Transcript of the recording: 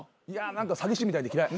何か詐欺師みたいで嫌い。